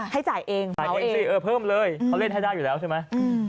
ให้จ่ายเองจ่ายเองสิเออเพิ่มเลยเขาเล่นให้ได้อยู่แล้วใช่ไหม